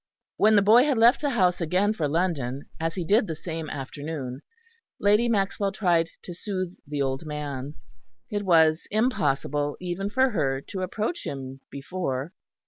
When the boy had left the house again for London, as he did the same afternoon, Lady Maxwell tried to soothe the old man. It was impossible, even for her, to approach him before.